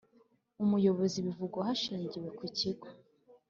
Umuyobozi bivuga hashingiwe ku kigo